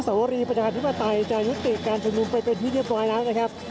อาศิกษาประวัติธิ์จะยุดติกาลชวนกรรมไปรภิกษ์เยอะปลอยแล้วนะครับ